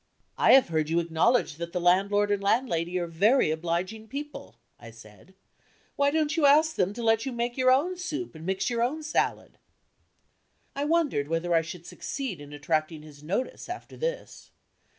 "I have heard you acknowledge that the landlord and landlady are very obliging people," I said. "Why don't you ask them to let you make your own soup and mix your own salad?" I wondered whether I should succeed in attracting his notice, after this.